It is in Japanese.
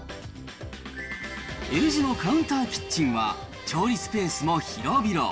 Ｌ字のカウンターキッチンは、調理スペースも広々。